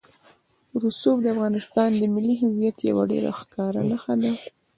رسوب د افغانستان د ملي هویت یوه ډېره ښکاره نښه ده.